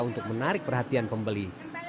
untuk menarik perhatian pembeli